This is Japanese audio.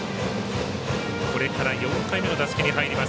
これから４回目の打席に入ります。